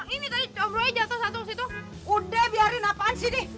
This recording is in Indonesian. ini tadi jatuh satu situ udah biarin apaan sih nih